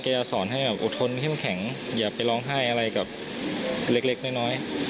จะสอนให้แบบอดทนเข้มแข็งอย่าไปร้องไห้อะไรกับเล็กน้อย